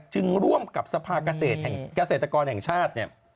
จึงร่วมกับสภากเกษตรกรแห่งชาติ